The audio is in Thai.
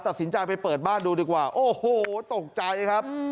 ตัดสินใจไปเปิดบ้านดูดีกว่าโอ้โหตกใจครับ